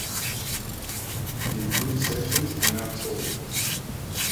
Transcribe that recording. The improved sections are now tolled.